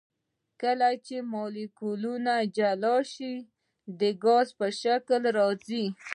کله چې مالیکولونه جلا شي د ګاز په شکل راځي.